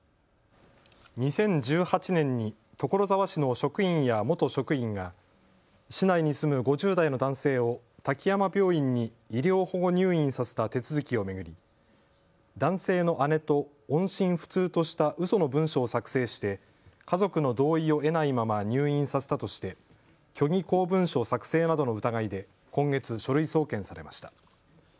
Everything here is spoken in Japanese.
２０１８年に所沢市の職員や元職員が市内に住む５０代の男性を滝山病院に医療保護入院させた手続きを巡り男性の姉と音信不通としたうその文書を作成して家族の同意を得ないまま入院させたとして虚偽公文書作成などの疑いで今月、書類送検されました。